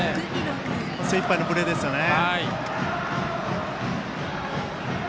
精いっぱいのプレーでしたね。